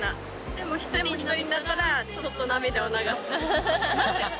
でも一人になったらそっと涙を流す。